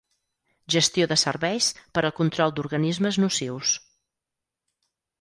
Gestió de serveis per al control d'organismes nocius.